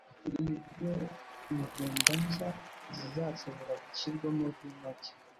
Nibwo imvumba nshya zizashobora gushyirwamo vino nshya.